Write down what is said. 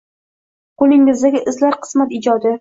Qulingdagi izlar qismat ijodi